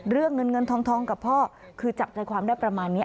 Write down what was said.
เรื่องเงินเงินทองกับพ่อคือจับใจความได้ประมาณนี้